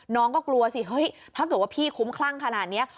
น้องก็กลัวสิเฮ้ยถ้าเกิดว่าพี่คุ้มคลั่งขนาดนี้